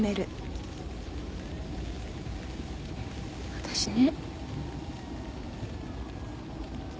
私ね。